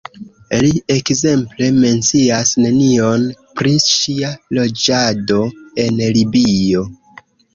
Li, ekzemple, mencias nenion pri ŝia loĝado en Libio.